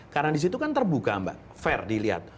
karena disitu kan terbuka mbak fair dilihat